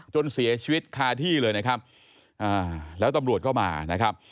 จนเสียชีวิตคาที่เลยนะครับอ่าแล้วตำรวจก็มานะครับ